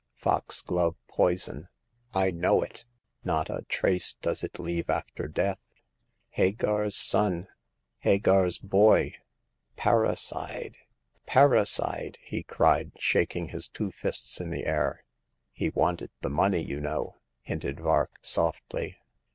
Fox glove poison— I know it ! Not a trace does it leave after death. Hagar's son ! Hagar's boy ! Parricide ! Parricide !" he cried, shaking his two fists in the air. "He wanted the money, you know,'* hinted Vark, softly.